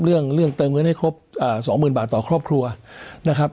เรื่องเรื่องเติมเงินให้ครบสองหมื่นบาทต่อครอบครัวนะครับ